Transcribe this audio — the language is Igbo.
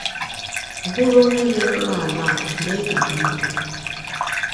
hụrụ onye merụrụ ala a mee ka ha mata